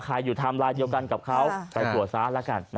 ใครอยู่ท่ามไลน์เดียวกันกับเขาไปหัวซ้าแล้วกันนะครับ